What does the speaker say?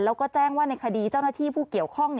แล้วก็แจ้งว่าในคดีเจ้าหน้าที่ผู้เกี่ยวข้อง